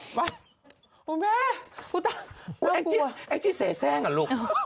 คุณแม่คุณตัวแอ๊งจี้เสียแทร้งอะลูก